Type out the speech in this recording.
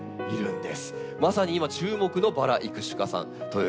まさに今注目のバラ育種家さんということで。